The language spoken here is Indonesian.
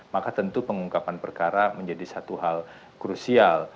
maka tentu pengungkapan perkara menjadi satu hal krusial